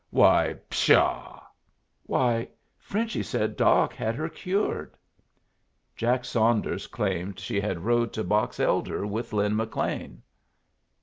"Why, pshaw!" "Why, Frenchy said Doc had her cured!" Jack Saunders claimed she had rode to Box Elder with Lin McLean.